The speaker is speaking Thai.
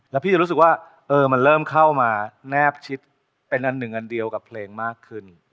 แล้วพี่จะรู้สึกว่ามันเริ่มเข้ามาแนบชิดเป็นอันหนึ่งอันเดียวกับเพลงมากขึ้น